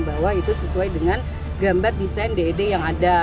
bahwa itu sesuai dengan gambar desain ded yang ada